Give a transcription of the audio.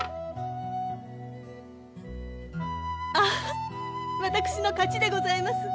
あっ私の勝ちでございます！